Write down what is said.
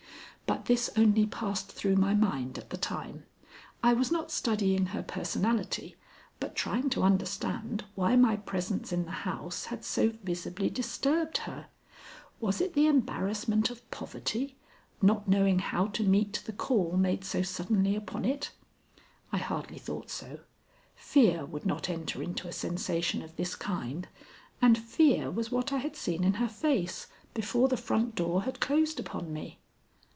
But this only passed through my mind at the time. I was not studying her personality, but trying to understand why my presence in the house had so visibly disturbed her. Was it the embarrassment of poverty, not knowing how to meet the call made so suddenly upon it? I hardly thought so. Fear would not enter into a sensation of this kind, and fear was what I had seen in her face before the front door had closed upon me.